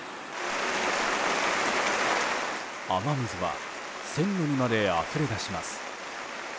雨水は線路にまであふれ出します。